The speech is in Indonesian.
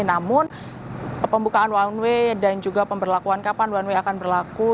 namun pembukaan one way dan juga pemberlakuan kapan one way akan berlaku